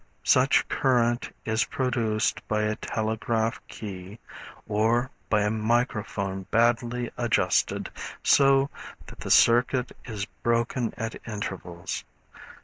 Such current is produced by a telegraph key, or by a microphone badly adjusted, so that the circuit is broken at intervals.